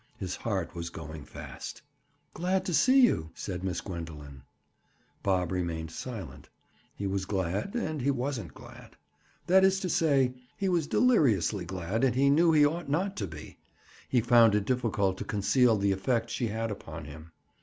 His heart was going fast. "Glad to see you," said Miss Gwendoline. Bob remained silent. He was glad and he wasn't glad. That is to say, he was deliriously glad and he knew he ought not to be. He found it difficult to conceal the effect she had upon him.